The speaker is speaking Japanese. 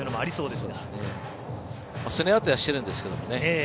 すね当てはしてるんですけどね。